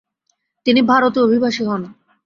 তিনি ভারতে অভিবাসী হন।